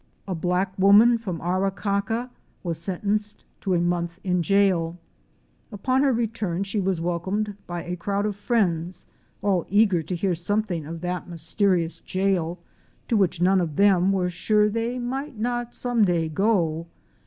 A black woman from Arakaka was sentenced to a month in jail. Upon her return she was welcomed by a crowd of friends, all eager to hear something of that mysterious jail, to which none of them were sure they might not some day go.